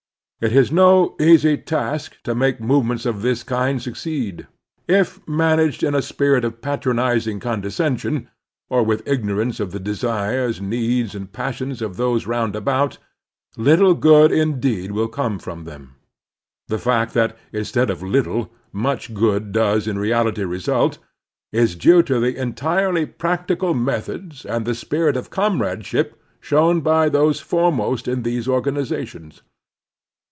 It is no easy task to make movements of this kind succeed. If managed in a spirit of patronizing condescension, or with I04 The Strenuous Life ignorance of the desires, needs, and passions of those roiind about, little good indeed will come from them. The fact that, instead of little, much good does in reality result, is due to the entirely practical methods and the spirit of comradeship shown by those foremost in these organizations.